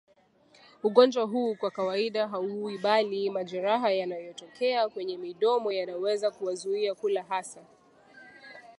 Ugonjwa huu kwa kawaida hauui bali majeraha yanayotokea kwenye midomo yanaweza kuwazuia kula hasa